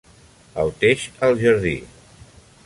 El teix al jardí.